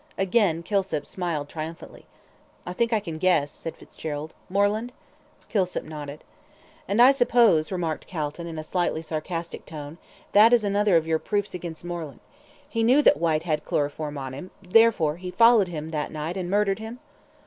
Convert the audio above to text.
Again Kilsip smiled triumphantly. "I think I can guess," said Fitzgerald. "Moreland?" Kilsip nodded. "And I suppose," remarked Calton, in a slightly sarcastic tone, "that is another of your proofs against Moreland. He knew that Whyte had chloroform on him, therefore he followed him that night and murdered him?"